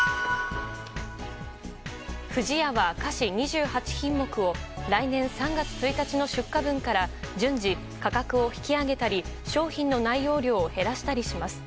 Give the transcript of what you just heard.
不二家は菓子２８品目を来年３月１日の出荷分から順次、価格を引き上げたり商品の内容量を減らしたりします。